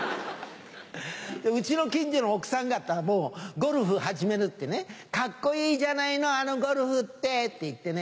うちの近所の奥さん方もゴルフ始めるってね「カッコいいじゃないのあのゴルフって」って言ってね。